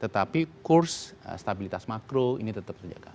tetapi kurs stabilitas makro ini tetap terjaga